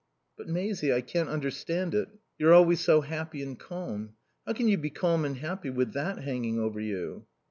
"But, Maisie, I can't understand it. You're always so happy and calm. How can you be calm and happy with that hanging over you?"